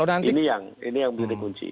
ini yang bisa dikunci